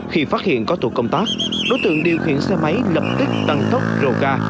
khi phát hiện có tổ công tác đối tượng điều khiển xe máy lập tức tăng tốc rồ ga